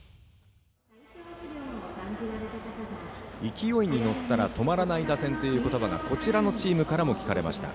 勢いに乗ったら止まらない打線という言葉がこちらのチームからも聞かれました。